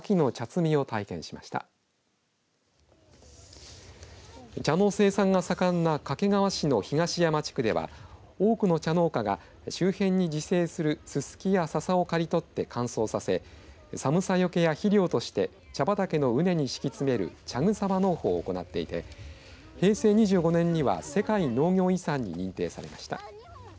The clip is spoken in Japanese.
茶の生産が盛んな掛川市の東山地区では多くの茶農家が周辺に自生するススキやササを刈り取って乾燥させ寒さよけや肥料として茶畑のうねに敷き詰める茶草場農法を行っていて平成２５年には世界農業遺産に認定されました。